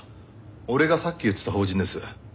俺がさっき言ってた法人です。